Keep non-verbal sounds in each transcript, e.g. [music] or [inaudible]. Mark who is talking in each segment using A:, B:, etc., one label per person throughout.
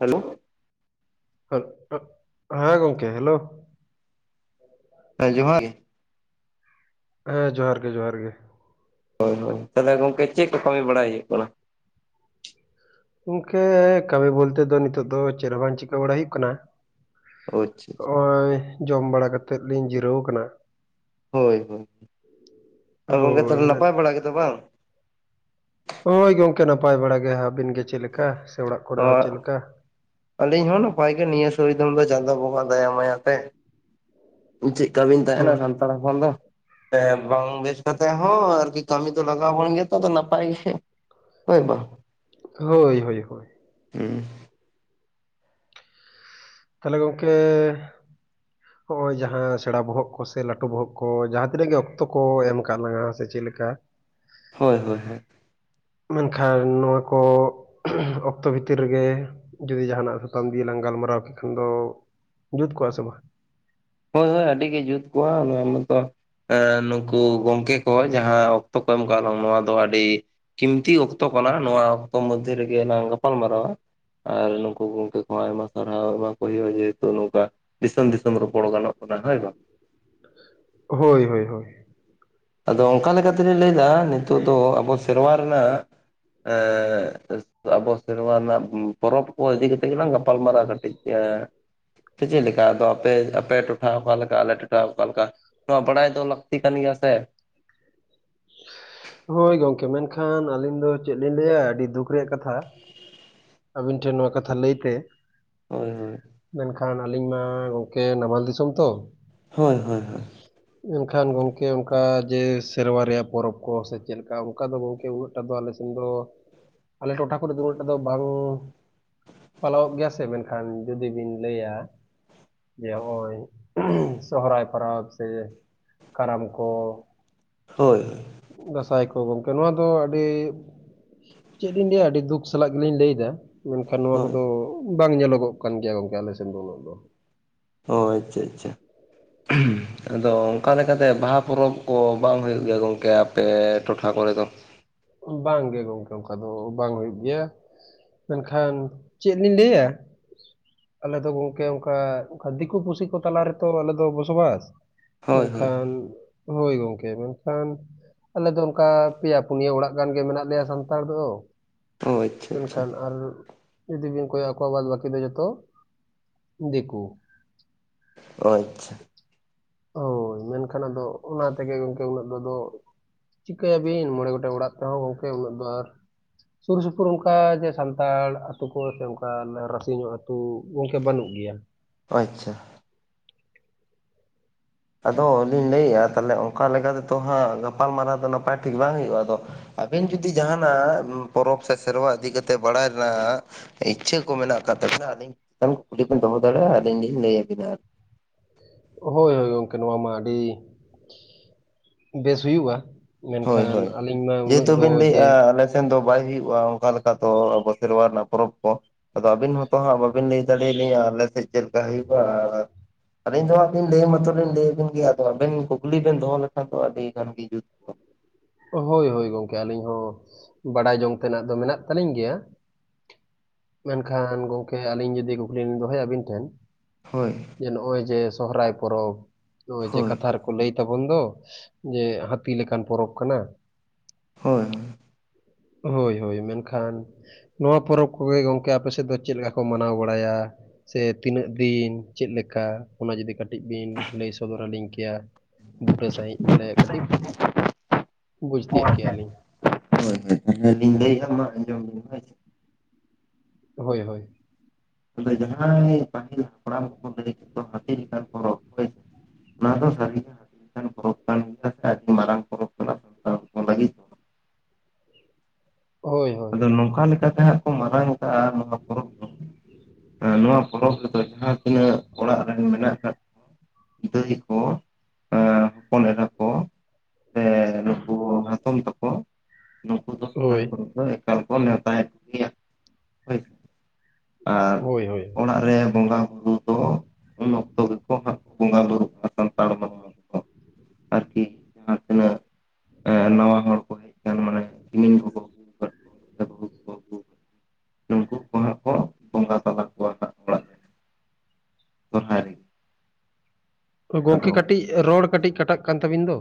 A: Hello
B: ᱦᱳᱭ ᱜᱚᱢᱠᱮ hello
A: ᱡᱚᱦᱟᱨ ᱜᱮ
B: ᱦᱮᱸ ᱡᱚᱦᱟᱨ ᱜᱮ ᱡᱚᱦᱟᱨ ᱜᱮ
A: ᱦᱳᱭ ᱦᱳᱭ ᱛᱟᱦᱚᱞᱮ ᱜᱚᱢᱠᱮ ᱪᱮᱫ ᱠᱚ ᱠᱟᱹᱢᱤ ᱵᱟᱲᱟᱭ ᱦᱩᱭᱩᱜ ᱠᱟᱱᱟ
B: ᱜᱚᱝᱠᱮ ᱠᱟᱹᱢᱤ ᱵᱚᱞᱛᱮ ᱫᱚ ᱱᱤᱛᱚᱜ ᱫᱚ ᱪᱮᱫ ᱦᱚᱸ ᱵᱟᱝ ᱪᱤᱠᱟᱹ ᱵᱟᱲᱟᱭ ᱦᱩᱭᱩᱜ ᱠᱟᱱᱟ ᱾
A: ᱟᱪᱪᱷᱟ
B: ᱦᱚᱸᱜᱼᱚᱭ ᱡᱚᱢ ᱵᱟᱲᱟ ᱠᱟᱛᱮᱫ ᱞᱤᱧ ᱡᱤᱨᱟᱹᱣ ᱠᱟᱱᱟ ᱾
A: ᱦᱳᱭ ᱦᱳᱭ [inaudible] ᱟ ᱜᱚᱢᱠᱮ
B: ᱦᱳᱭ
A: ᱛᱟᱦᱚᱞᱮ
B: ᱢᱮᱱ
A: ᱱᱟᱯᱟᱭ ᱵᱟᱲᱟ ᱜᱮᱛᱚ ᱵᱟᱝ
B: ᱦᱳᱭ ᱜᱚᱝᱠᱮ ᱱᱟᱯᱟᱭ ᱵᱟᱲᱟ ᱜᱮ ᱟᱹᱵᱤᱱ ᱜᱮ ᱪᱮᱫ ᱞᱮᱠᱟ ᱥᱮ ᱚᱲᱟᱜ ᱠᱚᱨᱮ ᱦᱚᱸ ᱪᱮᱫ ᱞᱮᱠᱟ?
A: ᱟᱹᱞᱤᱧ ᱦᱚᱸ ᱱᱟᱯᱟᱭ ᱜᱮ ᱱᱤᱭᱟᱹ ᱥᱚᱨᱤᱫᱚᱢ ᱫᱚ ᱪᱟᱸᱫᱚ ᱵᱚᱸᱜᱟ ᱫᱟᱭᱟ ᱢᱟᱭᱟᱛᱮ ᱾ ᱪᱮᱫ ᱠᱟᱵᱤᱱ ᱛᱟᱦᱮᱱᱟ
B: ᱦᱳᱭ
A: ᱥᱟᱱᱛᱟᱲ ᱦᱚᱯᱚᱱ ᱫᱚ [inaudible] ᱵᱟᱝ ᱵᱮᱥ ᱠᱟᱛᱮ ᱦᱚᱸ ᱟᱨᱠᱤ ᱠᱟᱹᱢᱤ ᱫᱚ ᱞᱟᱜᱟᱣᱵᱚᱱ ᱜᱮ ᱛᱟᱵᱚ ᱱᱟᱯᱟᱭ ᱜᱮ ᱦᱳᱭ ᱵᱟᱝ
B: ᱦᱳᱭ ᱦᱳᱭ ᱦᱳᱭ
A: ᱦᱚᱸ
B: ᱛᱟᱦᱚᱞᱮ ᱜᱚᱢᱠᱮ ᱦᱚᱸᱜᱼᱚᱭ ᱡᱟᱦᱟᱸ ᱥᱮᱬᱟ ᱵᱚᱦᱚᱜ ᱠᱚ ᱥᱮ ᱞᱟᱹᱴᱩ ᱵᱚᱦᱚᱜ ᱠᱚ ᱡᱟᱦᱟᱸ ᱛᱤᱱᱟᱹᱜ ᱜᱮ ᱚᱠᱛᱚ ᱠᱚ ᱮᱢ ᱠᱟᱫ ᱞᱟᱝ ᱟ ᱥᱮ ᱪᱮᱫ ᱞᱮᱠᱟ [inaudible]
A: ᱦᱳᱭ ᱦᱳᱭ ᱦᱳᱭ ᱾
B: ᱢᱮᱱᱠᱷᱟᱱ ᱱᱚᱣᱟ ᱠᱚ ᱚᱠᱛᱚ ᱵᱷᱤᱛᱤᱨ ᱨᱮᱜᱮ ᱡᱩᱫᱤ ᱡᱟᱦᱟᱱᱟᱜ ᱥᱟᱛᱟᱢ ᱫᱤᱭᱮ ᱞᱟᱝ ᱜᱟᱞᱢᱟᱨᱟᱣ ᱠᱮ ᱠᱷᱟᱱ ᱫᱚ ᱡᱩᱛ ᱠᱚᱜᱼᱟ ᱥᱮ ᱵᱟᱝ?
A: ᱦᱳᱭ ᱦᱳᱭ ᱟᱹᱰᱤ ᱜᱮ ᱡᱩᱛ ᱠᱚᱣᱟ ᱱᱚᱣᱟ ᱢᱟᱛᱚ ᱮᱸ ᱱᱩᱠᱩ ᱜᱚᱝᱠᱮ ᱠᱚ ᱡᱟᱦᱟᱸ ᱚᱠᱛᱚ ᱠᱚ ᱮᱢ ᱠᱟᱣᱟᱜ ᱞᱟᱝ ᱱᱚᱣᱟ ᱫᱚ ᱟᱹᱰᱤ ᱠᱤᱢᱛᱤ ᱚᱠᱛᱚ ᱠᱟᱱᱟ ᱱᱚᱣᱟ ᱚᱠᱛᱚ ᱢᱚᱫᱽᱫᱷᱮ ᱨᱮᱜᱮ ᱞᱟᱝ ᱜᱟᱯᱟᱞ ᱢᱟᱨᱟᱣᱟ ᱾ ᱟᱨ ᱱᱩᱠᱩ ᱜᱚᱝᱠᱮ ᱠᱚᱦᱚᱸ ᱟᱭᱢᱟ ᱥᱟᱨᱦᱟᱣ ᱮᱢᱟ ᱠᱚ ᱦᱩᱭᱩᱜᱼᱟ ᱡᱮᱦᱮᱛᱩ ᱱᱚᱝᱠᱟ ᱫᱤᱥᱚᱢ ᱫᱤᱥᱚᱢ ᱨᱚ ᱵᱚᱲᱚ ᱜᱟᱱᱚᱜ ᱠᱟᱱᱟ ᱦᱳᱭ ᱵᱟᱝ
B: ᱦᱳᱭ ᱦᱳᱭ ᱦᱳᱭ
A: ᱟᱫᱚ ᱚᱱᱠᱟ ᱞᱮᱠᱟᱛᱮᱞᱤᱧ ᱞᱟᱹᱭ ᱮᱫᱟ ᱱᱤᱛᱚᱜ ᱫᱚ ᱟᱵᱚ ᱥᱮᱨᱣᱟ ᱨᱮᱱᱟᱜ ᱟᱵᱚ ᱥᱮᱨᱣᱟ ᱨᱮᱱᱟᱜ ᱯᱚᱨᱚᱵᱽ ᱠᱚ ᱤᱫᱤ ᱠᱟᱛᱮᱫ ᱜᱮᱞᱟᱝ ᱜᱟᱯᱟᱞᱢᱟᱨᱟᱜ-ᱟ ᱠᱟᱹᱴᱤᱡ ᱮᱸ ᱪᱮᱫ ᱞᱮᱠᱟ ᱟᱫᱚ ᱟᱯᱮ ᱟᱯᱮ ᱴᱚᱴᱷᱟ ᱚᱠᱟ ᱞᱮᱠᱟ ᱟᱞᱮ ᱴᱚᱴᱷᱟ ᱚᱠᱟ ᱞᱮᱠᱟ ᱾ ᱱᱚᱣᱟ ᱵᱟᱲᱟᱭ ᱫᱚ ᱞᱟᱹᱠᱛᱤ ᱠᱟᱱ ᱜᱮᱭᱟ ᱥᱮ ᱾
B: ᱦᱳᱭ ᱜᱚᱢᱠᱮ ᱢᱮᱱᱠᱷᱟᱱ ᱟᱹᱞᱤᱧ ᱫᱚ ᱪᱮᱫ ᱞᱤᱧ ᱞᱟᱹᱭᱟ ᱟᱹᱰᱤ ᱫᱩᱠ ᱨᱮᱭᱟᱜ ᱠᱟᱛᱷᱟ ᱟᱹᱵᱤᱱ ᱴᱷᱮᱱ ᱱᱚᱣᱟ ᱠᱟᱛᱷᱟ ᱞᱟᱹᱭᱛᱮ
A: ᱦᱳᱭ ᱦᱳᱭ
B: ᱢᱮᱱᱠᱷᱟᱱ ᱟᱹᱞᱤᱧ ᱢᱟ ᱜᱚᱢᱠᱮ ᱱᱟᱢᱟᱞ ᱫᱤᱥᱚᱢ ᱛᱚ
A: ᱦᱳᱭ ᱦᱳᱭ ᱦᱳᱭ ᱾
B: ᱢᱮᱱᱠᱷᱟᱱ ᱜᱚᱝᱠᱮ ᱚᱱᱠᱟ ᱡᱮ ᱥᱮᱨᱣᱟ ᱨᱮᱭᱟᱜ ᱯᱚᱨᱚᱵᱽ ᱠᱚ ᱥᱮ ᱪᱮᱫ ᱞᱮᱠᱟ ᱚᱱᱠᱟ ᱫᱚ ᱜᱚᱝᱠᱮ ᱩᱱᱟᱹᱜ [inaudible] ᱟᱞᱮ ᱥᱮᱱ ᱫᱚ ᱟᱞᱮ ᱴᱚᱴᱷᱟ ᱠᱚᱨᱮ ᱫᱚ ᱩᱱᱟᱹᱜᱴᱟᱜ ᱫᱚ ᱵᱟᱝ ᱯᱟᱞᱟᱣᱚᱜ ᱜᱮᱭᱟ ᱥᱮ ᱢᱮᱱᱠᱷᱟᱱ ᱡᱩᱫᱤ ᱵᱤᱱ ᱞᱟᱹᱭᱟ ᱡᱮ ᱦᱚᱭ [inaudible] ᱥᱚᱦᱚᱨᱟᱭ ᱯᱚᱨᱚᱵᱽ ᱥᱮ ᱠᱟᱨᱟᱢ ᱠᱚ
A: ᱦᱳᱭ
B: ᱫᱟᱸᱥᱟᱭ ᱠᱚ ᱜᱚᱢᱠᱮ ᱱᱚᱣᱟ ᱫᱚ ᱟᱹᱰᱤ ᱪᱮᱫ ᱤᱧ ᱞᱟᱹᱭᱟ ᱟᱹᱰᱤ ᱫᱩᱠ ᱥᱟᱞᱟᱜ ᱜᱮᱞᱤᱧ ᱞᱟᱹᱭᱮᱫᱟ ᱾ ᱢᱮᱱᱠᱷᱟᱱ ᱱᱚᱣᱟ
A: ᱦᱳᱭ
B: ᱠᱚᱫᱚ ᱵᱟᱝ ᱧᱮᱞᱚᱜᱚᱜ ᱠᱟᱱ ᱜᱮᱭᱟ ᱜᱚᱝᱠᱮ ᱟᱞᱮᱥᱮᱱ ᱫᱚ ᱩᱱᱟᱹᱜ ᱫᱚ ᱾
A: ᱚ ᱟᱪᱪᱷᱟ ᱟᱪᱪᱷᱟ ᱾ ᱟᱫᱚ ᱚᱱᱠᱟ ᱞᱮᱠᱟᱛᱮ ᱵᱟᱦᱟ ᱯᱚᱨᱚᱵᱽ ᱠᱚ ᱵᱟᱝ ᱦᱩᱭᱩᱜ ᱜᱮᱭᱟ ᱜᱚᱢᱠᱮ ᱟᱯᱮ ᱴᱚᱴᱷᱟ ᱠᱚᱨᱮ ᱫᱚ?
B: ᱵᱟᱝ ᱜᱮ ᱜᱚᱝᱠᱮ ᱚᱱᱠᱟ ᱫᱚ ᱵᱟᱝ ᱦᱩᱭᱩᱜ ᱜᱮᱭᱟ ᱾ ᱢᱮᱱᱠᱷᱟᱱ ᱪᱮᱫ ᱞᱤᱧ ᱞᱟᱹᱭᱟ ᱟᱞᱮ ᱫᱚ ᱜᱚᱝᱠᱮ ᱚᱱᱠᱟ ᱫᱤᱠᱩ ᱯᱩᱥᱤ ᱠᱚ ᱛᱟᱞᱟ ᱨᱮᱛᱚ ᱟᱞᱮ ᱫᱚ ᱵᱚᱥᱚᱵᱟᱥ ᱾
A: ᱦᱳᱭ ᱦᱳᱭ
B: ᱢᱮᱱᱠᱷᱟᱱ ᱦᱳᱭ ᱜᱚᱝᱠᱮ ᱢᱮᱱᱠᱷᱟᱱ ᱟᱞᱮ ᱫᱚ ᱚᱱᱠᱟ ᱯᱮᱭᱟ ᱯᱩᱱᱭᱟᱹ ᱚᱲᱟᱜ [inaudible] ᱜᱟᱱ ᱜᱮ ᱢᱮᱱᱟᱜ ᱞᱮᱭᱟ ᱥᱟᱱᱛᱟᱲ ᱫᱚ
A: ᱚ ᱟᱪᱪᱷᱟ ᱟᱪᱪᱷᱟ
B: ᱢᱮᱱᱠᱷᱟᱱ ᱟᱨ ᱡᱩᱫᱤ ᱵᱤᱱ ᱠᱚᱭᱚᱜ ᱟᱠᱚᱣᱟ ᱵᱟᱫᱽ ᱵᱟᱹᱠᱤ ᱫᱚ ᱡᱚᱛᱚ [inaudible] ᱫᱤᱠᱩ
A: ᱚ ᱟᱪᱪᱷᱟ ᱾
B: ᱦᱳᱭ ᱢᱮᱱᱠᱷᱟᱱ ᱟᱫᱚ ᱚᱱᱟ ᱛᱮᱜᱮ ᱜᱚᱢᱠᱮ ᱩᱱᱟᱹᱜ ᱫᱚ ᱪᱤᱠᱟᱹᱭᱟ ᱵᱤᱱ ᱢᱚᱬᱮ ᱜᱚᱴᱮᱡ ᱚᱲᱟᱜ ᱛᱮᱦᱚᱸ ᱜᱚᱝᱠᱮ ᱩᱱᱟᱹᱜ ᱫᱚ ᱟᱨ ᱥᱩᱨ ᱥᱩᱯᱩᱨ ᱚᱱᱠᱟ ᱡᱮ ᱥᱟᱱᱛᱟᱲ ᱟᱹᱛᱩ ᱠᱚ ᱥᱮ ᱚᱱᱠᱟ ᱨᱟᱥᱤᱧᱚᱜ ᱟᱹᱛᱩ ᱜᱚᱝᱠᱮ ᱵᱟᱹᱱᱩᱜ ᱜᱮᱭᱟ
A: ᱟᱪᱪᱷᱟ ᱟᱫᱚ ᱞᱤᱧ ᱞᱟᱹᱭᱮᱜ-ᱟ ᱛᱟᱦᱚᱞᱮ ᱚᱱᱠᱟ ᱞᱮᱠᱟ ᱛᱮᱫᱚ ᱦᱟᱸᱜ ᱜᱟᱯᱟᱞᱢᱟᱨᱟᱣ ᱫᱚ ᱱᱟᱯᱟᱭ ᱴᱷᱤᱠ ᱵᱟᱝ ᱦᱩᱭᱩᱜ ᱟᱫᱚ ᱟᱵᱮᱱ ᱡᱩᱫᱤ ᱡᱟᱦᱟᱱᱟᱜ ᱯᱚᱨᱚᱵᱽ ᱥᱮ ᱥᱮᱨᱣᱟ ᱤᱫᱤ ᱠᱟᱛᱮᱫ ᱵᱟᱲᱟᱭ ᱨᱮᱱᱟᱜ ᱤᱪᱪᱷᱟᱹ ᱠᱚ ᱢᱮᱱᱟᱜ ᱟᱠᱟᱫ ᱛᱟᱵᱮᱱᱟ ᱟᱫᱚᱧ [inaudible] ᱠᱩᱠᱩᱞᱤ ᱵᱤᱱ ᱫᱚᱦᱚ ᱫᱟᱲᱮᱭᱟᱜᱼᱟ ᱟᱹᱞᱤᱧ ᱞᱤᱧ ᱞᱟᱹᱭ ᱟᱹᱵᱤᱱᱟ ᱟᱨᱠᱤ
B: ᱦᱳᱭ ᱦᱳᱭ ᱜᱚᱝᱠᱮ ᱱᱚᱣᱟ ᱢᱟ ᱟᱹᱰᱤ [inaudible] ᱵᱮᱥ ᱦᱩᱭᱩᱜ-ᱟ᱾
A: ᱦᱳᱭ
B: ᱢᱮᱱᱠᱷᱟᱱ
A: ᱦᱳᱭ
B: ᱟᱹᱞᱤᱧ ᱢᱟ ᱩᱱᱟᱹᱜ
A: ᱡᱮᱦᱮᱛᱩ
B: ᱫᱚ
A: ᱵᱤᱱ
B: ᱡᱮ
A: ᱞᱟᱹᱭᱮᱜᱼᱟ ᱟᱞᱮ ᱫᱚ ᱵᱟᱭ ᱦᱩᱭᱩᱜᱼᱟ ᱚᱱᱠᱟ ᱛᱚ ᱟᱵᱚ ᱥᱮᱨᱣᱟ ᱨᱮᱱᱟᱜ ᱯᱚᱨᱚᱵᱽ ᱠᱚ ᱟᱫᱚ ᱟᱹᱵᱤᱱ ᱦᱚᱸ ᱛᱚᱦᱟᱸᱜ ᱵᱟᱵᱤᱱ ᱞᱟᱹᱭ ᱫᱟᱲᱮ ᱟᱹᱞᱤᱧᱟ ᱟᱞᱮᱥᱮᱪ ᱪᱮᱫᱞᱮᱠᱟ ᱦᱩᱭᱩᱜ-ᱟ ᱟᱨ ᱟᱹᱞᱤᱧ ᱫᱚᱦᱟᱸᱜ ᱵᱤᱱ ᱞᱟᱹᱭ ᱢᱟᱛᱚᱞᱤᱧ ᱞᱟᱹᱭ ᱵᱤᱱ ᱜᱮᱭᱟ ᱟᱫᱚ ᱟᱵᱮᱱ ᱠᱩᱠᱞᱤ ᱵᱮᱱ ᱫᱚᱦᱚ ᱞᱮᱠᱷᱟᱱ ᱫᱚ ᱟᱹᱰᱤ ᱜᱟᱱ ᱜᱮ ᱡᱩᱛ
B: ᱦᱳᱭ ᱦᱳᱭ ᱜᱚᱝᱠᱮ ᱟᱹᱞᱤᱧ ᱦᱚᱸ ᱵᱟᱰᱟᱭ ᱡᱚᱝ ᱛᱮᱱᱟᱜ ᱫᱚ ᱢᱮᱱᱟᱜ ᱛᱟᱹᱞᱤᱧ ᱜᱮᱭᱟ ᱢᱮᱱᱠᱷᱟᱱ ᱜᱚᱝᱠᱮ ᱟᱹᱞᱤᱧ ᱡᱩᱫᱤ ᱠᱩᱠᱞᱤ ᱞᱤᱧ ᱫᱚᱦᱚᱭᱟ ᱟᱹᱵᱤᱱ ᱴᱷᱮᱱ
A: ᱦᱳᱭ
B: ᱡᱮ ᱱᱚᱜ-ᱚᱭ ᱡᱮ ᱥᱚᱦᱚᱨᱟᱭ ᱯᱚᱨᱚᱵᱽ ᱱᱚᱜ-ᱚᱭ ᱡᱮ
A: ᱦᱳᱭ
B: ᱠᱟᱛᱷᱟᱨ ᱞᱟᱹᱭ ᱛᱟᱵᱚᱱ ᱫᱚ ᱡᱮ ᱦᱟᱹᱛᱤ ᱞᱮᱠᱟᱱ ᱯᱚᱨᱚᱵᱽ ᱠᱟᱱᱟ,
A: ᱦᱳᱭ
B: ᱦᱳᱭ ᱦᱳᱭ ᱢᱮᱱᱠᱷᱟᱱ ᱱᱚᱣᱟ ᱯᱚᱨᱚᱵᱽ ᱠᱚᱜᱮ ᱜᱚᱢᱠᱮ ᱟᱯᱮ ᱥᱮᱫ ᱫᱚ ᱪᱮᱫ ᱞᱮᱠᱟ ᱠᱚ ᱢᱟᱱᱟᱣ ᱵᱟᱲᱟᱭᱟ ᱥᱮ ᱛᱤᱱᱟᱹᱜ ᱫᱤᱱ ᱪᱮᱫ ᱞᱮᱠᱟ ᱚᱱᱟ ᱡᱩᱫᱤ ᱠᱟᱹᱴᱤᱡ ᱵᱤᱱ ᱞᱟᱹᱭ ᱥᱚᱫᱚᱨ ᱟᱹᱞᱤᱧ ᱠᱮᱭᱟ ᱵᱩᱴᱟᱹ ᱥᱟᱺᱦᱤᱡ ᱛᱟᱞᱮ ᱠᱟᱹᱴᱤᱡ ᱵᱩᱡᱽ ᱛᱤᱭᱳᱜ ᱠᱮᱭᱟᱹᱞᱤᱧ,
A: ᱦᱳᱭ ᱦᱳᱭ ᱦᱳᱭ ᱤᱧ ᱞᱟᱹᱭᱮᱜ-ᱟ ᱢᱟ ᱟᱸᱡᱚᱢ ᱵᱤᱱ ᱦᱳᱭ
B: ᱦᱳᱭ ᱦᱳᱭ
A: ᱟᱫᱚ ᱡᱟᱦᱟᱸᱭ ᱯᱟᱹᱦᱤᱞ ᱦᱟᱯᱲᱟᱢ ᱠᱚᱠᱚ ᱞᱟᱹᱭ ᱦᱟᱹᱛᱤ ᱞᱮᱠᱟᱱ ᱯᱚᱨᱚᱵᱽ ᱚᱱᱟ ᱫᱚ ᱥᱟᱹᱨᱤᱜᱮ ᱦᱟᱹᱛᱤ ᱞᱮᱠᱟᱱ ᱯᱚᱨᱚᱵᱽ ᱠᱟᱱ ᱜᱮᱭᱟ ᱥᱮ ᱟᱹᱰᱤ ᱢᱟᱨᱟᱝ ᱯᱚᱨᱚᱵᱽ ᱠᱟᱱᱟ ᱥᱟᱱᱛᱟᱲ ᱦᱚᱯᱚᱱ ᱞᱟᱹᱜᱤᱫ ᱫᱚ
B: ᱦᱳᱭ
A: ᱟᱫᱚ ᱱᱚᱝᱠᱟ ᱞᱮᱠᱟᱛᱮ ᱦᱟᱸᱜ ᱠᱚ ᱢᱟᱨᱟᱝ ᱟᱠᱟᱜᱼᱟ ᱱᱚᱣᱟ ᱯᱚᱨᱚᱵᱽ ᱫᱚ ᱱᱚᱣᱟ ᱯᱚᱨᱚᱵᱽ ᱨᱮᱫᱚ ᱡᱟᱦᱟᱸ ᱛᱤᱱᱟᱹᱜ ᱚᱲᱟᱜ ᱨᱮᱱ ᱢᱮᱱᱟᱜ ᱟᱠᱟᱫ ᱫᱟᱹᱭ ᱠᱚ, ᱦᱚᱯᱚᱱ ᱮᱨᱟ ᱠᱚ, ᱥᱮ ᱱᱩᱠᱩ ᱦᱟᱛᱚᱢ ᱛᱟᱠᱚ ᱱᱩᱠᱩ ᱫᱚ ᱥᱚᱦᱨᱟᱭ
B: ᱦᱳᱭ
A: ᱠᱚᱨᱮ ᱫᱚ ᱮᱠᱟᱞ ᱠᱚ ᱱᱮᱣᱛᱟ ᱮᱫ ᱠᱚᱜᱮᱭᱟ ᱦᱳᱭ ᱟᱨ
B: ᱦᱳᱭ ᱦᱳᱭ
A: ᱚᱲᱟᱜ ᱨᱮ ᱵᱚᱸᱜᱟ ᱵᱩᱨᱩ ᱫᱚ ᱩᱱ ᱚᱠᱛᱚ ᱜᱮᱠᱚ ᱦᱟᱛ ᱵᱚᱸᱜᱟ ᱵᱩᱨᱩᱠ ᱥᱟᱱᱛᱟᱲ [inaudible] ᱟᱨᱠᱤ ᱡᱟᱦᱟᱸ ᱛᱤᱱᱟᱹᱜ ᱱᱟᱣᱟ ᱦᱚᱲ ᱠᱚ ᱦᱮᱡ ᱟᱠᱟᱱ ᱢᱟᱱᱮ ᱠᱤᱢᱤᱱ ᱠᱚᱠᱚ ᱟᱹᱜᱩ ᱟᱠᱟᱫ ᱠᱚᱣᱟ ᱥᱮ ᱵᱟᱹᱦᱩ
B: [inaudible]
A: ᱦᱚ ᱵᱚᱸᱜᱟ ᱛᱟᱞᱟ ᱠᱚᱣᱟ ᱱᱟᱜ ᱚᱲᱟᱜ ᱨᱮ ᱥᱚᱨᱦᱟᱭ ᱨᱮ
B: ᱜᱚᱝᱠᱮ ᱠᱟᱹᱴᱤᱡ ᱨᱚᱲ ᱠᱟᱹᱴᱤᱡ ᱠᱟᱴᱟᱜ ᱠᱟᱱ ᱛᱟᱵᱤᱱ ᱫᱚ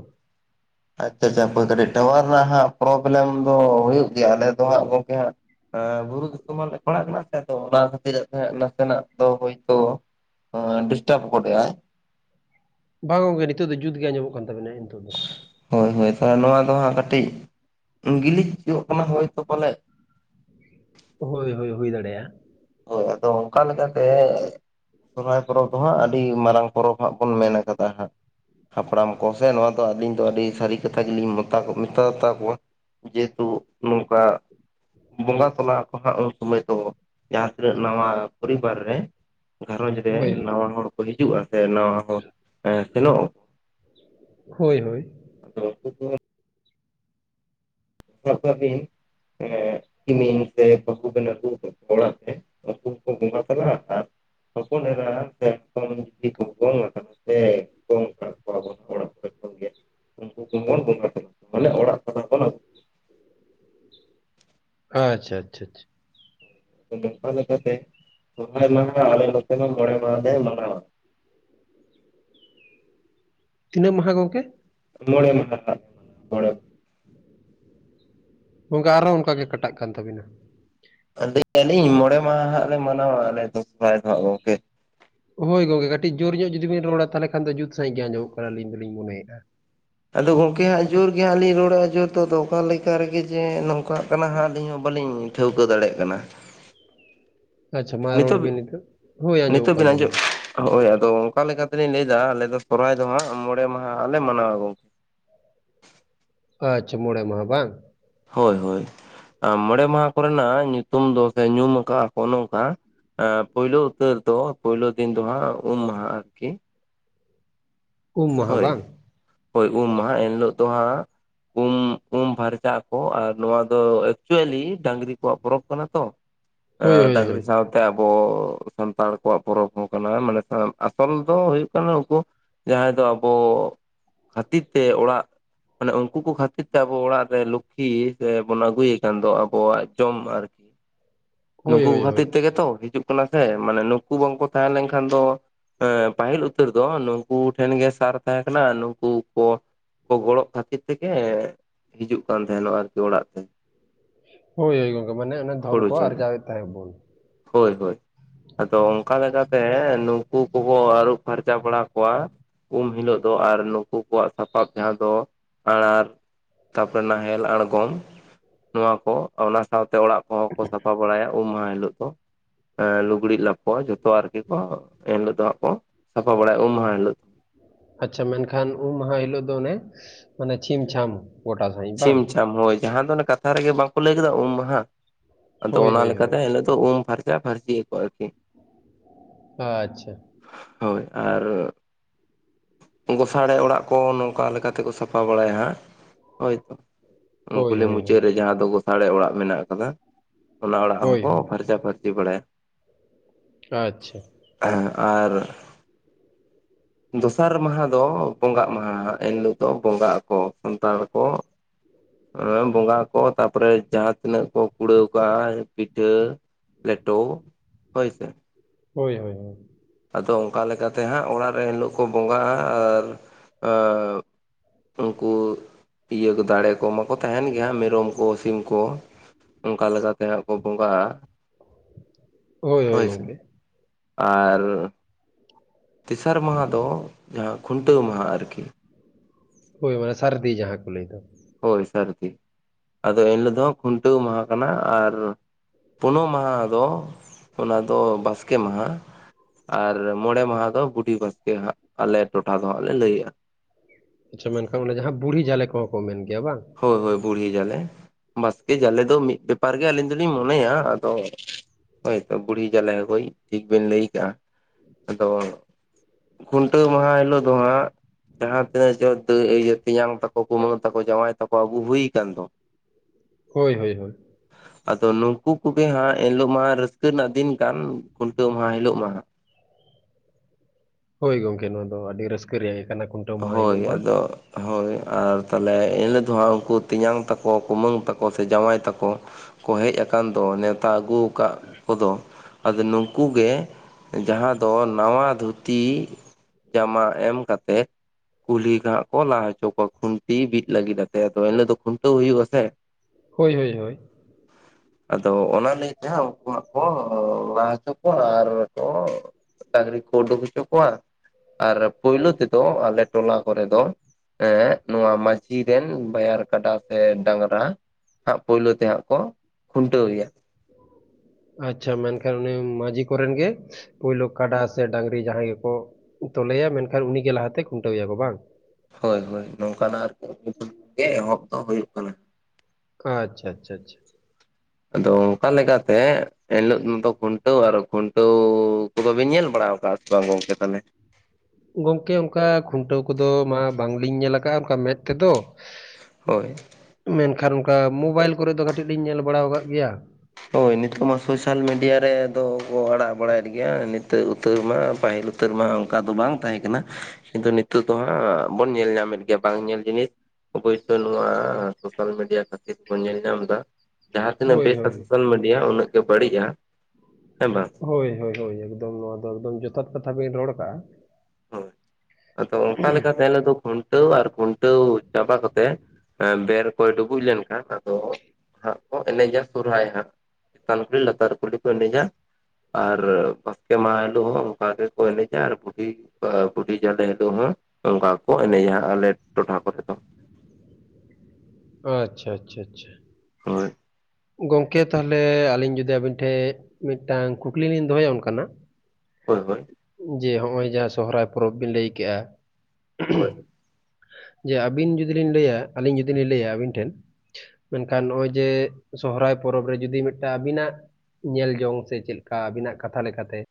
A: ᱟᱪᱪᱷᱟ [inaudible] ᱴᱟᱣᱟᱨ ᱨᱮᱱᱟᱜ ᱦᱟᱸᱜ ᱯᱨᱚᱵᱞᱮᱢ ᱫᱚ ᱦᱩᱭᱩᱜ ᱜᱮᱭᱟ ᱟᱞᱮ ᱫᱚ ᱦᱟᱸᱜ ᱜᱚᱝᱠᱮ ᱦᱟᱸᱜ ᱟᱸ ᱵᱩᱨᱩ ᱫᱤᱥᱚᱢᱟᱱ ᱯᱟᱲᱟᱜ ᱠᱟᱱᱟ ᱥᱮ ᱚᱱᱟ ᱠᱷᱟᱹᱛᱤᱨ ᱱᱟᱥᱮᱱᱟᱜ ᱫᱚ ᱦᱚᱭᱛᱚ ᱚ ᱰᱤᱥᱴᱟᱯ ᱜᱚᱫᱮᱟᱭ
B: ᱵᱟᱝ ᱜᱚᱝᱠᱮ ᱱᱤᱛᱚᱜ ᱫᱚ ᱡᱩᱛ ᱜᱮ ᱟᱸᱡᱚᱢᱚᱜ ᱠᱟᱱ ᱛᱟᱵᱮᱱᱟ ᱱᱤᱛᱚᱜ ᱫᱚ
A: ᱦᱳᱭ ᱦᱳᱭ ᱛᱟᱦᱚᱞᱮ ᱱᱚᱣᱟ ᱫᱚ ᱦᱟᱸᱜ ᱠᱟᱹᱴᱤᱡ ᱜᱤᱞᱤ ᱪᱚᱜ ᱠᱟᱱᱟ ᱦᱚᱭᱛᱚ ᱯᱟᱞᱮᱫ,
B: ᱦᱳᱭ ᱦᱳᱭ ᱦᱩᱭ ᱫᱟᱲᱮᱭᱟᱜᱼᱟ
A: ᱦᱳᱭ ᱟᱫᱚ ᱚᱱᱠᱟ ᱞᱮᱠᱟᱛᱮ ᱥᱚᱨᱦᱟᱭ ᱯᱚᱨᱚᱵᱽ ᱫᱚ ᱦᱟᱸᱜ ᱟᱹᱰᱤ ᱢᱟᱨᱟᱝ ᱯᱚᱨᱚᱵᱽ ᱦᱟᱸᱜ ᱵᱚᱱ ᱢᱮᱱ ᱟᱠᱟᱫᱟ ᱦᱟᱸᱜ, ᱦᱟᱯᱲᱟᱢ ᱠᱚ ᱥᱮ ᱱᱚᱣᱟ ᱫᱚ ᱟᱹᱞᱤᱧ ᱫᱚ ᱟᱹᱰᱤ ᱥᱟᱹᱨᱤ ᱠᱟᱛᱷᱟ ᱜᱮ ᱞᱤᱧ ᱢᱮᱛᱟᱣᱟᱛᱟ ᱠᱚᱣᱟ ᱾ ᱡᱮᱦᱮᱛᱩ ᱱᱚᱝᱠᱟ ᱵᱚᱸᱜᱟ ᱛᱟᱞᱟ ᱦᱟᱸᱜ ᱩᱱ ᱥᱚᱢᱚᱭ ᱫᱚ ᱼᱼ ᱡᱟᱦᱟᱸ ᱛᱤᱱᱟᱹᱜ ᱱᱟᱣᱟ ᱯᱚᱨᱤᱵᱟᱨ ᱨᱮ ᱜᱷᱟᱨᱚᱸᱡᱽ ᱨᱮ
B: ᱦᱳᱭ ᱦᱳᱭ
A: ᱱᱟᱶᱟ ᱦᱚᱲ ᱼᱼ ᱦᱤᱡᱩᱜ-ᱟ ᱥᱮ ᱱᱟᱣᱟ ᱦᱚᱸ ᱥᱮᱱᱚᱜ-ᱟ
B: ᱦᱳᱭ ᱦᱳᱭ
A: ᱼᱼ ᱟᱫᱚ ᱩᱱᱠᱩ ᱫᱚ ᱼᱼ ᱥᱟᱵ ᱠᱟᱜ ᱵᱤᱱ ᱠᱤᱢᱤᱱ ᱥᱮ ᱵᱟᱦᱩ ᱵᱤᱱ ᱟᱹᱜᱩ ᱠᱮᱫᱮ ᱚᱲᱟᱜ ᱛᱮ ᱩᱱᱠᱩ ᱠᱚ ᱵᱚᱸᱜᱟ ᱛᱟᱞᱟ [unintelligible] ᱦᱮᱸ [unintelligible] ᱼᱼ ᱩᱱᱠᱩ ᱠᱚ ᱵᱚᱱ ᱵᱚᱸᱜᱟ [unintelligible] ᱼᱼ
B: ᱟᱪᱪᱷᱟ ᱟᱪᱪᱷᱟ ᱟᱪᱷᱟ ᱾
A: ᱚᱱᱠᱟ ᱞᱮᱠᱟ ᱛᱮ ᱥᱚᱨᱦᱟᱭ ᱢᱟᱦᱟ ᱟᱞᱮ ᱱᱚᱛᱮ ᱫᱚ ᱢᱚᱬᱮ ᱢᱟᱦᱟ ᱞᱮ ᱢᱟᱱᱟᱣᱟ ᱾
B: ᱛᱤᱱᱟᱹᱜ ᱢᱟᱦᱟ ᱜᱚᱝᱠᱮ?
A: ᱢᱚᱬᱮ ᱢᱟᱦᱟᱸ ᱦᱟᱸᱜ ᱢᱚᱬᱮ ᱼᱼ
B: ᱜᱚᱝᱠᱮ ᱟᱨᱦᱚ ᱚᱱᱠᱟ ᱜᱮ ᱠᱟᱴᱟᱜ ᱠᱟᱱ ᱛᱟᱵᱤᱱᱟ ᱾
A: [unintelligible] ᱟᱹᱞᱤᱧ ᱢᱚᱬᱮ ᱢᱟᱦᱟ ᱦᱟᱸᱜ ᱞᱮ ᱢᱟᱱᱟᱣᱟ ᱟᱞᱮ ᱫᱚ ᱟᱞᱮ ᱫᱚ ᱦᱟᱸᱜ ᱜᱚᱝᱠᱮ ᱾
B: ᱦᱳᱭ ᱜᱚᱝᱠᱮ ᱠᱟᱹᱴᱤᱡ ᱡᱳᱨ ᱧᱚᱜ ᱡᱩᱫᱤ ᱵᱤᱱ ᱨᱚᱲᱟ ᱛᱟᱦᱚᱞᱮ ᱠᱷᱟᱱ ᱫᱚ ᱡᱩᱛ ᱥᱟᱺᱦᱤᱡ ᱜᱮ ᱟᱸᱡᱚᱢᱚᱜ ᱠᱟᱱᱟ ᱟᱹᱞᱤᱧ ᱫᱚᱞᱤᱧ ᱢᱚᱱᱮᱭᱮᱫᱼᱟ᱾
A: ᱟᱫᱚ ᱜᱚᱢᱠᱮ ᱦᱟᱸᱜ ᱡᱳᱨ ᱜᱮ ᱦᱟᱸᱜ ᱞᱤᱧ ᱨᱚᱲᱟ ᱡᱳᱨ ᱛᱮ ᱫᱚ ᱚᱠᱟ ᱞᱮᱠᱟ ᱨᱮᱜᱮ ᱡᱮ ᱱᱚᱝᱠᱟᱜ ᱠᱟᱱᱟ ᱦᱟᱸᱜ ᱟᱹᱞᱤᱧ ᱦᱚᱸ ᱵᱟᱹᱞᱤᱧ ᱴᱷᱟᱹᱣᱠᱟᱹ ᱫᱟᱲᱮᱜ ᱠᱟᱱᱟ᱾
B: ᱟᱪᱪᱷᱟ ᱢᱟ ᱨᱚᱲ ᱵᱤᱱ ᱱᱤᱛᱚᱜ ᱦᱳᱭ ᱟᱸᱡᱚᱢᱚᱜ
A: ᱱᱤᱛᱚᱜ
B: ᱠᱟᱱ
A: ᱵᱤᱱ ᱟᱸᱡᱚᱢ
B: ᱛᱟᱵᱤᱱᱟ ᱾
A: ᱦᱳᱭ ᱟᱫᱚ ᱚᱱᱠᱟ ᱞᱮᱠᱟ ᱛᱮ ᱞᱤᱧ ᱞᱟᱹᱭ ᱮᱫᱟ ᱟᱞᱮ ᱫᱚ ᱥᱚᱨᱦᱟᱭ ᱫᱚ ᱦᱟᱸᱜ ᱢᱚᱬᱮ ᱢᱟᱦᱟ ᱞᱮ ᱢᱟᱱᱟᱣᱟ ᱜᱚᱝᱠᱮ ᱾
B: ᱟᱪᱪᱷᱟ ᱢᱚᱬᱮ ᱢᱟᱦᱟ ᱵᱟᱝ?
A: ᱦᱳᱭ ᱦᱳᱭ ᱢᱚᱬᱮ ᱢᱟᱦᱟ ᱠᱚ ᱨᱮᱱᱟᱜ ᱧᱩᱛᱩᱢ ᱫᱚ ᱥᱮ ᱧᱩᱢ ᱟᱠᱟᱜᱼᱟ ᱠᱚ ᱱᱚᱝᱠᱟ ᱼᱼ ᱯᱳᱭᱞᱳ ᱩᱛᱟᱹᱨ ᱫᱚ ᱯᱩᱭᱞᱳ ᱫᱤᱱ ᱫᱚ ᱦᱟᱸᱜ ᱩᱢ ᱢᱟᱦᱟ ᱟᱨᱠᱤ ᱼᱼ
B: ᱩᱢ ᱢᱟᱦᱟ
A: ᱦᱳᱭ
B: ᱵᱟᱝ
A: ᱦᱳᱭ ᱩᱢ ᱢᱟᱦᱟ ᱮᱱ ᱦᱤᱞᱳᱜ ᱫᱚ ᱦᱟᱸᱜ ᱼᱼ ᱩᱢ ᱩᱢ ᱯᱷᱟᱨᱪᱟᱜ ᱟᱠᱚ ᱟᱨ ᱱᱚᱣᱟ ᱫᱚ ᱮᱠᱪᱩᱣᱮᱞᱤ ᱰᱟᱝᱨᱤ ᱠᱚᱣᱟᱜ ᱯᱚᱨᱚᱵᱽ ᱠᱟᱱᱟ ᱛᱚ ᱾
B: ᱦᱳᱭ
A: ᱟᱨ
B: ᱦᱳᱭ
A: ᱰᱟᱝᱨᱤ
B: ᱦᱳᱭ
A: ᱥᱟᱶ ᱼᱼ ᱛᱮ ᱟᱵᱚ ᱥᱟᱱᱛᱟᱲ ᱠᱚᱣᱟᱜ ᱯᱚᱨᱚᱵᱽ ᱦᱚᱸ ᱠᱟᱱᱟ ᱢᱟᱱᱮ ᱟᱥᱚᱞ ᱫᱚ ᱦᱩᱭᱩᱜ ᱠᱟᱱᱟ ᱩᱱᱠᱩ ᱼᱼ ᱡᱟᱦᱟᱸᱭ ᱫᱚ ᱟᱵᱚ ᱠᱷᱟᱹᱛᱤᱨ ᱛᱮ ᱚᱲᱟᱜ ᱼᱼ ᱢᱟᱱᱮ ᱩᱱᱠᱩ ᱠᱚ ᱠᱷᱟᱹᱛᱤᱨ ᱛᱮ ᱟᱵᱚ ᱚᱲᱟᱜ ᱨᱮ ᱞᱩᱠᱷᱤ ᱥᱮ ᱵᱚᱱ ᱟᱹᱜᱩ ᱠᱟᱱ ᱫᱚ ᱟᱵᱚᱣᱟᱜ ᱡᱚᱢ ᱟᱨᱠᱤᱼᱼ
B: [inaudible]
A: ᱱᱩᱠᱩ ᱠᱚ
B: ᱦᱳᱭ ᱦᱳᱭ
A: ᱠᱷᱟᱹᱛᱤᱨ ᱛᱮ ᱜᱮ ᱛᱚ ᱦᱤᱡᱩᱜ ᱼᱼ ᱠᱟᱱᱟ ᱥᱮ ᱢᱟᱱᱮ ᱱᱩᱠᱩ ᱵᱟᱝᱠᱚ ᱛᱟᱦᱮᱸ ᱞᱮᱱᱠᱷᱟᱱ ᱫᱚ ᱯᱟᱹᱦᱤᱞ ᱩᱛᱟᱹᱨ ᱫᱚ ᱼᱼ ᱱᱩᱠᱩ ᱴᱷᱮᱱ ᱜᱮ ᱥᱟᱨ ᱛᱟᱦᱮᱸ ᱠᱟᱱᱟ ᱱᱩᱠᱩ ᱠᱚ ᱼᱼ ᱠᱚ ᱜᱚᱲᱚᱜ ᱠᱷᱟᱹᱛᱤᱨ ᱛᱮᱜᱮ ᱦᱤᱡᱩᱜ ᱠᱟᱱ ᱛᱟᱦᱮᱱᱚᱜ ᱟᱨ ᱠᱤ ᱚᱲᱟᱜ ᱛᱮ ᱾
B: ᱦᱳᱭ ᱦᱳᱭ ᱜᱚᱝᱠᱮ ᱢᱟᱱᱮ ᱫᱷᱚᱱ
A: ᱦᱩᱲᱩ
B: ᱠᱚ
A: ᱪᱟᱣᱞᱮ
B: ᱟᱨᱡᱟᱣ ᱮᱫ ᱛᱟᱦᱮᱸᱫ ᱵᱚᱱ ᱾
A: ᱦᱳᱭ ᱦᱳᱭ ᱟᱫᱚ ᱚᱱᱠᱟ ᱞᱮᱠᱟ ᱛᱮ ᱱᱩᱠᱩ ᱠᱚ ᱵᱚ ᱟᱹᱨᱩᱵ ᱯᱷᱟᱨᱪᱟ ᱵᱟᱲᱟ ᱼᱼ ᱠᱚᱣᱟ ᱩᱢ ᱦᱤᱞᱳᱜ ᱫᱚ ᱟᱨ ᱱᱩᱠᱩ ᱠᱚᱣᱟᱜ ᱥᱟᱯᱟᱵ ᱡᱟᱦᱟᱸ ᱫᱚ ᱟᱬᱟᱨ ᱼᱼ ᱛᱟᱯᱚᱨ ᱱᱟᱦᱮᱞ ᱟᱬᱜᱚᱢ ᱱᱚᱣᱟ ᱠᱚ ᱚᱱᱟ ᱼᱼ ᱥᱟᱶᱛᱮ ᱚᱲᱟᱜ ᱠᱚᱦᱚᱸ ᱠᱚ ᱥᱟᱯᱷᱟ ᱵᱟᱲᱟᱭᱟ ᱩᱢ ᱢᱟᱦᱟ ᱦᱤᱞᱳᱜ ᱫᱚ ᱾ ᱞᱩᱜᱽᱲᱤᱡ ᱞᱟᱯᱚ ᱡᱚᱛᱚ ᱟᱨᱠᱤ ᱠᱚ ᱮᱱᱦᱤᱞᱳᱜ ᱫᱚ ᱦᱟᱸᱜ ᱠᱚ ᱥᱟᱯᱷᱟ ᱵᱟᱲᱟᱭᱟ ᱩᱢ ᱢᱟᱦᱟ ᱦᱤᱞᱳᱜ ᱫᱚ ᱾
B: ᱟᱪᱪᱷᱟ ᱢᱮᱱᱠᱷᱟᱱ ᱩᱢ ᱢᱟᱦᱟ ᱦᱤᱞᱳᱜ ᱫᱚ ᱚᱱᱮ ᱢᱟᱱᱮ ᱪᱷᱤᱢ ᱪᱷᱟᱢ ᱜᱚᱴᱟ ᱥᱟᱺᱦᱤᱡ ᱵᱟᱝ
A: ᱥᱤᱢ
B: ᱾
A: ᱦᱳᱭ ᱡᱟᱦᱟᱸ ᱫᱚ ᱚᱱᱮ ᱠᱟᱛᱷᱟ ᱨᱮ ᱜᱮ ᱵᱟᱠᱚ ᱞᱟᱹᱭ ᱠᱟᱫᱟ ᱩᱢ ᱢᱟᱦᱟ ᱟᱫᱚ
B: ᱦᱳᱭ
A: ᱚᱱᱟ
B: ᱦᱳᱭ ᱦᱳᱭ
A: ᱞᱮᱠᱟᱛᱮ ᱼᱼ ᱩᱢ ᱯᱷᱟᱨᱪᱟ ᱯᱷᱟᱨᱪᱤ ᱟᱠᱚ ᱟᱨᱠᱤ ᱾
B: ᱟᱪᱪᱷᱟ ᱾
A: ᱦᱳᱭ ᱟᱨ ᱼᱼ ᱜᱚᱥᱟᱬᱮ ᱚᱲᱟᱜ ᱠᱚ ᱱᱚᱝᱠᱟ ᱞᱮᱠᱟ ᱛᱮ ᱠᱚ ᱥᱟᱯᱷᱟ ᱵᱟᱲᱟᱭᱟ ᱦᱟᱸᱜ ᱼᱼ ᱦᱳᱭᱛᱳ ᱴ
B: ᱦᱳᱭ
A: ᱠᱩᱞᱦᱤ
B: ᱦᱳᱭ ᱦᱳᱭ
A: ᱢᱩᱪᱟᱹᱫ ᱨᱮ ᱡᱟᱦᱟᱸ ᱫᱚ ᱜᱚᱥᱟᱬᱮ ᱚᱲᱟᱜ ᱢᱮᱱᱟᱜ ᱠᱟᱫᱟ ᱾ ᱚᱱᱟ ᱚᱲᱟᱜ
B: ᱦᱳᱭ
A: ᱦᱚᱸᱠᱚ
B: ᱦᱳᱭ
A: ᱯᱷᱟᱨᱪᱟ ᱯᱷᱟᱹᱨᱪᱤ ᱵᱟᱲᱟᱭᱟ ᱾
B: ᱟᱪᱪᱷᱟ ᱾
A: ᱦᱮᱸ ᱟᱨ ᱼᱼ ᱫᱚᱥᱟᱨ ᱢᱟᱦᱟ ᱫᱚ ᱵᱚᱸᱜᱟᱜ ᱢᱟᱦᱟᱟᱸᱜ ᱮᱱᱦᱤᱞᱳᱜ ᱫᱚ ᱵᱚᱸᱜᱟᱜ ᱟᱠᱚ ᱥᱟᱱᱛᱟᱲ ᱚ ᱦᱚ ᱵᱚᱸᱜᱟ ᱠᱚ ᱛᱟᱨᱯᱚᱨᱮ ᱡᱟᱦᱟᱸ ᱛᱤᱱᱟᱹᱜ ᱠᱚ ᱠᱩᱲᱟᱹᱣ ᱠᱟᱜᱼᱟ ᱯᱤᱴᱷᱟᱹ ᱞᱮᱴᱚ ᱦᱳᱭ ᱥᱮ
B: ᱦᱳᱭ ᱦᱳᱭ ᱦᱳᱭ
A: ᱟᱫᱚ ᱚᱱᱠᱟ ᱞᱮᱠᱟᱛᱮ ᱦᱟᱸᱜ ᱚᱲᱟᱜ ᱮᱱ ᱦᱤᱞᱳᱜ ᱠᱚ ᱵᱚᱸᱜᱟᱜᱼᱟ ᱟᱨ ᱟ ᱩᱱᱠᱩ ᱤᱭᱟᱹ ᱠᱚ ᱫᱟᱲᱮ ᱠᱚ ᱢᱟᱠᱚ ᱛᱟᱦᱮᱱ ᱜᱮᱭᱟ ᱦᱟᱸᱜ ᱢᱮᱨᱚᱢ ᱠᱚ ᱥᱤᱢ ᱠᱚ ᱚᱱᱠᱟ ᱞᱮᱠᱟ ᱛᱮᱦᱟᱸᱜ ᱠᱚ ᱵᱚᱸᱜᱟᱜᱼᱟ
B: ᱦᱳᱭ ᱦᱳᱭ ᱜᱚᱢᱠᱮ
A: ᱟᱨ ᱛᱮᱥᱟᱨ ᱢᱟᱦᱟ ᱫᱚ ᱡᱟᱦᱟᱸ ᱠᱷᱩᱱᱴᱟᱹᱣ ᱢᱟᱦᱟ ᱟᱨᱠᱤ
B: ᱦᱳᱭ ᱢᱟᱱᱮ ᱥᱟᱹᱨᱫᱤ ᱡᱟᱦᱟᱸ ᱠᱚ ᱞᱟᱹᱭ ᱫᱚ
A: ᱦᱳᱭ ᱥᱟᱹᱨᱫᱤ ᱟᱫᱚ ᱮᱱ ᱦᱤᱞᱳᱜ ᱦᱚᱸ ᱦᱟᱸᱜ ᱠᱷᱩᱱᱴᱟᱹᱣ ᱢᱟᱦᱟ ᱠᱟᱱᱟ ᱟᱨ ᱯᱩᱱᱚᱜ ᱢᱟᱦᱟ ᱫᱚ ᱚᱱᱟ ᱫᱚ ᱵᱟᱥᱠᱮ ᱢᱟᱦᱟ ᱟᱨ ᱢᱚᱬᱮ ᱢᱟᱦᱟ ᱫᱚ ᱵᱩᱰᱷᱤ ᱵᱟᱥᱠᱮ ᱦᱟᱸᱜ ᱟᱞᱮ ᱴᱚᱴᱷᱟ ᱫᱚ ᱦᱟᱸᱜ ᱞᱮ ᱞᱟᱹᱭᱟᱜᱼᱟ
B: ᱟᱪᱪᱷᱟ ᱢᱮᱱᱠᱷᱟᱱ ᱚᱱᱟ ᱡᱟᱦᱟᱸ ᱵᱩᱰᱷᱤ ᱡᱟᱞᱮ ᱠᱚᱦᱚᱸ ᱠᱚ ᱢᱮᱱ ᱜᱮᱭᱟ ᱵᱟᱝ
A: ᱦᱳᱭ ᱦᱳᱭ ᱵᱩᱲᱦᱤ ᱡᱟᱞᱮ ᱵᱟᱥᱠᱮ ᱡᱟᱞᱮ ᱫᱚ ᱢᱤᱫ ᱵᱮᱯᱟᱨ ᱜᱮ ᱟᱹᱞᱤᱧ ᱫᱚ ᱞᱤᱧ ᱢᱚᱱᱮᱭᱟ ᱟᱫᱚ ᱦᱳᱭ ᱛᱚ ᱵᱩᱲᱦᱤ ᱡᱟᱞᱮ ᱦᱚᱭ ᱴᱷᱤᱠ ᱵᱤᱱ ᱞᱟᱹᱭ ᱠᱟᱜᱼᱟ ᱟᱫᱚ ᱠᱷᱩᱱᱴᱟᱹᱣ ᱢᱟᱦᱟ ᱦᱤᱞᱳᱜ ᱫᱚ ᱦᱟᱸᱜ ᱡᱟᱦᱟᱸ ᱛᱤᱱᱟᱹᱜ ᱡᱮ ᱫᱟᱹᱭ ᱛᱮᱧᱟᱝ ᱛᱟᱠᱚ ᱠᱩᱢᱟᱹᱝ ᱛᱟᱠᱚ ᱡᱟᱶᱟᱭ ᱵᱟᱵᱩ ᱟᱹᱜᱩ ᱦᱩᱭ ᱠᱟᱱ ᱫᱚ
B: ᱦᱳᱭ ᱦᱳᱭ ᱦᱳᱭ
A: ᱟᱫᱚ ᱱᱩᱠᱩ ᱠᱚᱜᱮ ᱦᱟᱸᱜ ᱮᱱ ᱦᱤᱞᱳᱜ ᱢᱟ ᱨᱟᱹᱥᱠᱟᱹ ᱨᱮᱱᱟᱜ ᱫᱤᱱ ᱠᱟᱱ ᱠᱷᱩᱱᱴᱟᱹᱣ ᱢᱟᱦᱟ ᱦᱤᱞᱳᱜ ᱢᱟ ᱦᱟᱸᱜ
B: ᱦᱳᱭ ᱜᱚᱝᱠᱮ ᱱᱚᱣᱟ ᱫᱚ ᱟᱹᱰᱤ ᱨᱟᱹᱥᱠᱟᱹ ᱨᱮᱭᱟᱜ ᱜᱮ ᱠᱟᱱᱟ ᱠᱷᱩᱱ
A: ᱦᱳᱭ ᱟᱫᱚ ᱦᱳᱭ ᱟᱨ ᱛᱟᱦᱚᱞᱮ ᱮᱱ ᱦᱤᱞᱳᱜ ᱫᱚ ᱦᱟᱸᱜ ᱩᱱᱠᱩ ᱛᱮᱧᱟᱝ ᱛᱟᱠᱚ ᱠᱩᱢᱟᱹᱝ ᱛᱟᱠᱚ ᱥᱮ ᱡᱟᱶᱟᱭ ᱛᱟᱠᱚ ᱠᱚ ᱦᱮᱡ ᱟᱠᱟᱱ ᱫᱚ ᱱᱮᱶᱛᱟ ᱟᱹᱜᱩ ᱟᱠᱟᱫ ᱠᱚᱫᱚ ᱟᱫᱚ ᱱᱩᱠᱩ ᱜᱮ ᱡᱟᱦᱟᱸ ᱫᱚ ᱱᱟᱣᱟ ᱫᱷᱩᱛᱤ ᱡᱟᱢᱟ ᱮᱢ ᱠᱟᱛᱮ ᱠᱩᱞᱦᱤ ᱠᱚ ᱦᱟᱸᱜ ᱠᱚ ᱞᱟᱦ ᱦᱚᱪᱚ ᱠᱚᱣᱟ ᱠᱷᱩᱱᱴᱤ ᱵᱤᱫ ᱞᱟᱹᱜᱤᱫ ᱟᱛᱮ ᱟᱫᱚ ᱤᱱᱟᱹ ᱫᱚ ᱠᱷᱩᱱᱴᱟᱹᱣ ᱦᱩᱭᱩᱜᱼᱟ ᱥᱮ
B: ᱦᱳᱭ ᱦᱳᱭ ᱦᱳᱭ
A: ᱟᱫᱚ ᱚᱱᱟ ᱞᱟᱹᱭ ᱛᱮᱦᱟᱸᱜ ᱩᱱᱠᱩ ᱦᱟᱸᱜ ᱠᱚ ᱞᱟ ᱦᱚᱪᱚ ᱠᱚᱣᱟ ᱟᱨ ᱠᱚ ᱰᱟᱝᱨᱤ ᱠᱚ ᱩᱰᱩᱠ ᱦᱚᱪᱚ ᱠᱚᱣᱟ ᱟᱨ ᱯᱳᱭᱞᱳ ᱛᱮᱫᱚ ᱟᱞᱮ ᱴᱚᱞᱟ ᱠᱚᱨᱮ ᱫᱚ ᱮᱸᱜ ᱱᱚᱣᱟ ᱢᱟᱹᱡᱷᱤ ᱨᱮᱱ ᱵᱟᱭᱟᱨ ᱠᱟᱰᱟ ᱥᱮ ᱰᱟᱝᱨᱟ ᱦᱟᱸᱜ ᱯᱳᱭᱞᱳ ᱛᱮ ᱦᱟᱸᱜ ᱠᱚ ᱠᱷᱩᱱᱴᱟᱹᱣ ᱮᱭᱟ
B: ᱟᱪᱪᱷᱟ ᱢᱮᱱᱠᱷᱟᱱ ᱩᱱᱤ ᱢᱟᱹᱡᱷᱤ ᱠᱚᱨᱮᱱ ᱜᱮ ᱯᱳᱭᱞᱳ ᱠᱟᱰᱟ ᱥᱮ ᱰᱟᱝᱨᱤ ᱡᱟᱦᱟᱸᱭ ᱜᱮᱠᱚ ᱛᱚᱞᱮᱭᱟ ᱢᱮᱱᱠᱷᱟᱱ ᱩᱱᱤᱜᱮ ᱞᱟᱦᱟᱛᱮ ᱠᱷᱩᱱᱴᱟᱹᱣ ᱮᱭᱟ ᱠᱚ ᱵᱟᱝ
A: ᱦᱳᱭ ᱦᱳᱭ ᱱᱚᱝᱠᱟᱱᱟᱜ ᱟᱨᱠᱤ [inaudible] ᱜᱮ ᱮᱦᱚᱵ ᱫᱚ ᱦᱩᱭᱩᱜ ᱠᱟᱱᱟ
B: ᱟᱪᱪᱷᱟ ᱟᱪᱪᱷᱟ ᱟᱪᱪᱷᱟ
A: ᱟᱫᱚ ᱚᱱᱠᱟ ᱞᱮᱠᱟᱛᱮ ᱮᱱ ᱦᱤᱞᱳᱜ ᱢᱟᱛᱚ ᱠᱷᱩᱱᱴᱟᱹᱣ ᱟᱨᱚ ᱠᱷᱩᱱ ᱴᱟᱹᱣ ᱠᱚᱫᱚ ᱵᱤᱱ ᱧᱮᱞ ᱵᱟᱲᱟ ᱟᱠᱟᱫᱟᱼᱟ ᱥᱮ ᱵᱟᱝ ᱜᱚᱝᱠᱮ ᱛᱟᱦᱚᱞᱮ
B: ᱜᱚᱢᱠᱮ ᱚᱱᱠᱟ ᱠᱷᱩᱱᱴᱟᱹᱣ ᱠᱚᱫᱚ ᱢᱟ ᱵᱟᱝᱞᱤᱧ ᱧᱮᱞ ᱟᱠᱟᱜᱼᱟ ᱚᱱᱠᱟ ᱢᱮᱫ ᱛᱮᱫᱚ
A: ᱦᱳᱭ
B: ᱢᱮᱱᱠᱷᱟᱱ ᱚᱱᱠᱟ ᱢᱳᱵᱟᱭᱤᱞ ᱠᱚᱨᱮᱫ ᱫᱚ ᱠᱟᱹᱴᱤᱡ ᱞᱤᱧ ᱧᱮᱞ ᱵᱟᱲᱟ ᱟᱠᱟᱫ ᱜᱮᱭᱟ
A: ᱦᱳᱭ ᱱᱤᱛᱚᱜ ᱢᱟ ᱥᱳᱥᱟᱞ ᱢᱤᱰᱤᱭᱟ ᱨᱮ ᱫᱚ ᱠᱚ ᱟᱲᱟᱜ ᱵᱟᱲᱟᱭᱮᱫ ᱜᱮᱭᱟ ᱱᱤᱛᱚᱜ ᱩᱛᱟᱹᱨ ᱢᱟ ᱯᱟᱹᱦᱤᱞ ᱩᱛ ᱛᱟᱹᱨ ᱢᱟ ᱚᱱᱠᱟ ᱫᱚ ᱵᱟᱝ ᱛᱟᱦᱮᱸ ᱠᱟᱱᱟ ᱠᱤᱱᱛᱩ ᱱᱤᱛᱚᱜ ᱫᱚ ᱦᱟᱸᱜ ᱵᱚᱱ ᱧᱮᱞ ᱧᱟᱢᱮᱫ ᱜᱮᱭᱟ ᱵᱟᱝ ᱧᱮᱞ ᱡᱤᱱᱤᱥ ᱚᱵᱚᱥᱥᱳᱭ ᱱᱚᱣᱟ ᱥᱳᱥᱟᱞ ᱢᱤᱰᱤᱭᱟ ᱠᱷᱟᱹᱛᱤᱨ ᱵᱚᱱ ᱧᱮᱞ ᱧᱟᱢ ᱮᱫᱟ ᱡᱟᱦᱟᱸ ᱛᱤᱱᱟᱹᱜ
B: ᱦᱳᱭ
A: ᱵᱮᱥᱟ
B: ᱦᱳᱭ
A: ᱥᱳᱥᱟᱞ ᱢᱤᱰᱤᱭᱟ ᱩᱱᱟᱹᱜ ᱜᱮ ᱵᱟᱹᱲᱤᱡᱼᱟ ᱦᱮᱸ ᱵᱟᱝ
B: ᱦᱳᱭ ᱦᱳᱭ ᱦᱳᱭ ᱮᱠᱫᱚᱢ ᱱᱚᱣᱟ ᱫᱚ ᱮᱠᱫᱚᱢ ᱡᱚᱛᱷᱟᱛ ᱠᱟᱛᱷᱟ ᱵᱤᱱ ᱨᱚᱲ ᱟᱠᱟᱜᱼᱟ
A: ᱦᱳᱭ ᱟᱫᱚ ᱚᱱᱠᱟ ᱞᱮᱠᱟ ᱛᱮ ᱟᱞᱮ ᱫᱚ ᱠᱷᱩᱱ ᱴᱟᱹᱣ ᱟᱨ ᱠᱷᱩᱱᱴᱟᱹᱣ ᱪᱟᱵᱟ ᱠᱟᱛᱮ ᱵᱮᱨ ᱠᱚᱭ ᱰᱩᱵᱩᱡ ᱞᱮᱱᱠᱷᱟᱱ ᱟᱫᱚ ᱦᱟᱸᱜ ᱠᱚ ᱮᱱᱮᱡᱟ ᱥᱚᱨᱦᱟᱭ ᱦᱟᱸᱜ ᱪᱮᱛᱟᱱ ᱠᱩᱞᱦᱤ ᱞᱟᱛᱟᱨ ᱠᱩᱞᱦᱤ ᱠᱚ ᱮᱱᱮᱡᱟ ᱟᱨ ᱵᱟᱥᱠᱮ ᱢᱟᱦᱟ ᱦᱤᱞᱳᱜ ᱦᱚᱸ ᱚᱱᱠᱟ ᱜᱮ ᱠᱚ ᱮᱱᱮᱡᱟ ᱟᱨ ᱵᱩᱰᱷᱤ ᱯᱩᱴᱷᱤ ᱡᱟᱞᱮ ᱦᱤᱞᱳᱜ ᱦᱚᱸ ᱚᱱᱠᱟ ᱠᱚ ᱮᱱᱮᱡᱟ ᱦᱟᱸᱜ ᱟᱞᱮ ᱴᱚᱴᱷᱟ ᱠᱚᱨᱮ ᱫᱚ
B: ᱟᱪᱷᱟ ᱟᱪᱷᱟ ᱟᱪᱷᱟ ᱾
A: ᱦᱳᱭ ᱾
B: ᱜᱚᱝᱠᱮ ᱛᱟᱦᱚᱞᱮ ᱟᱹᱞᱤᱧ ᱡᱩᱫᱤ ᱟᱹᱵᱤᱱ ᱴᱷᱮᱱ ᱢᱤᱫᱴᱟᱝ ᱠᱩᱠᱞᱤ ᱞᱤᱧ ᱫᱚᱦᱚᱭᱟ ᱚᱱᱠᱟᱱᱟᱜ
A: ᱦᱳᱭ ᱦᱳᱭ
B: ᱡᱮ ᱦᱚᱜᱼᱚᱭ ᱡᱟᱦᱟ ᱥᱚᱦᱨᱟᱭ ᱯᱚᱨᱚᱵᱽ ᱵᱤᱱ ᱞᱟᱹᱭ ᱠᱮᱜᱼᱟ
A: ᱦᱳᱭ
B: ᱡᱮ ᱟᱹᱵᱤᱱ ᱡᱩᱫᱤ ᱞᱤᱧ ᱞᱟᱹᱭᱟ ᱟᱹᱞᱤᱧ ᱡᱩᱫᱤ ᱞᱤᱧ ᱞᱟᱹᱭᱟ ᱟᱹᱵᱤᱱ ᱴᱷᱮᱱ ᱢᱮᱱᱠᱷᱟᱱ ᱱᱚᱜᱼᱚᱭ ᱡᱮ ᱥᱚᱦᱨᱟᱭ ᱯᱚᱨᱚᱵᱽ ᱨᱮ ᱡᱩᱫᱤ ᱢᱤᱫᱴᱟᱱ ᱟᱹᱵᱤᱱᱟᱜ ᱧᱮᱞ ᱡᱚᱝ ᱥᱮ ᱪᱮᱫ ᱞᱮᱠᱟ ᱟᱵᱤᱱᱟᱜ ᱠᱟᱛᱷᱟ ᱞᱮᱠᱟᱛᱮ